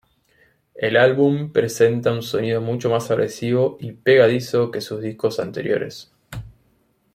El álbum presenta un sonido mucho más agresivo y pegadizo que sus discos anteriores.